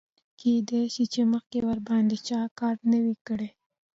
کیدای شي چې مخکې ورباندې چا کار نه وي کړی.